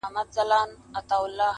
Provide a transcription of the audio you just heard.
په دې ښار کي زه حاکم یمه سلطان یم.